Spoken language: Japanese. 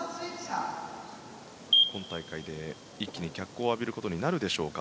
今大会で一気に脚光を浴びることになるでしょうか。